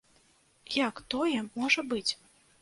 Як тое можа быць?